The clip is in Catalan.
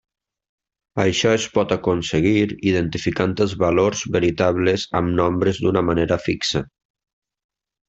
Això es pot aconseguir identificant els valors veritables amb nombres d'una manera fixa.